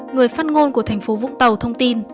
người phát ngôn của thành phố vũng tàu thông tin